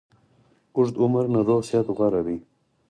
اوږد عمر نه روغ صحت غوره ده